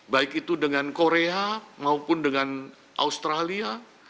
baik itu dengan korea maupun dengan australia